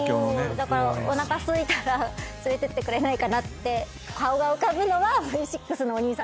だからおなかすいたら連れてってくれないかなって顔が浮かぶのはＶ６のお兄さんたちだったりとか。